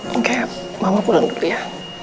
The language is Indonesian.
oke mama pulang gitu ya